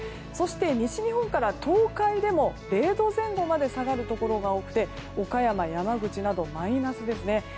そして西日本から東海でも０度前後まで下がるところが多くて岡山や山口などマイナスです。